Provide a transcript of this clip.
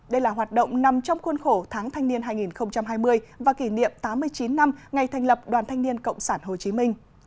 đây là hoạt động nằm trong khuôn khổ tháng thanh niên hai nghìn hai mươi và kỷ niệm tám mươi chín năm ngày thành lập đoàn thanh niên cộng sản hồ chí minh